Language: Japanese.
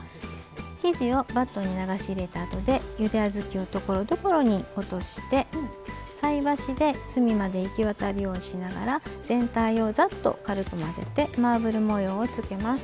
生地をバットに流し入れたあとでゆで小豆をところどころに落として菜箸で隅まで行き渡るようにしながら全体をざっと軽く混ぜてマーブル模様をつけます。